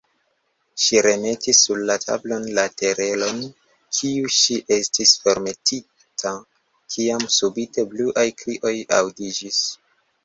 Ŝi remetis sur la tablon la teleron, kiun ŝi estis formetinta, kiam subite bruaj krioj aŭdiĝis.